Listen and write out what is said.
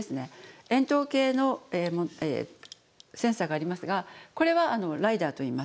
円筒形のセンサーがありますがこれはライダーといいます。